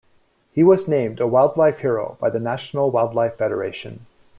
He was named a Wildlife Hero by the National Wildlife Federation.